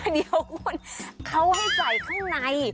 เดี๋ยวคุณเขาให้ใส่ข้างใน